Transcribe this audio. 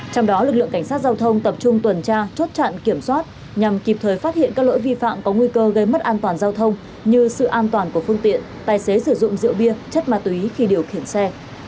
trong đó lực lượng cảnh sát giao thông tập trung tuần tra chốt chặn kiểm soát nhằm kịp thời phát hiện các lỗi vi phạm có nguy cơ gây mất an toàn giao thông như sự an toàn của phương tiện tài xế sử dụng rượu bia chất ma túy khi điều khiển xe